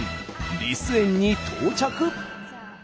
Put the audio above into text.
リス園に到着。